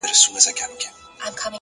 د ژوند ښکلا په مانا کې ده.